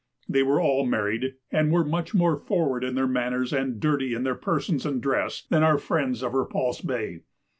They were all married, and were much more forward in their manners and dirty in their persons and dress, than our friends of Repulse Bay.